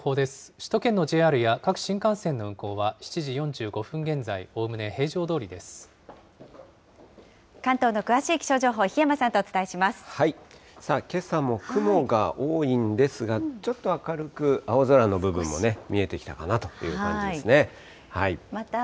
首都圏のＪＲや各新幹線の運行は７時４５分現在、おおむね平常ど関東の詳しい気象情報、檜山さあ、けさも雲が多いんですが、ちょっと明るく青空の部分も見えてきたかなという感じですね。